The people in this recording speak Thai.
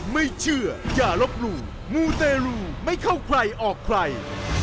ไม่เชื่ออย่าลบหลู่มูเตรลูไม่เข้าใครออกใคร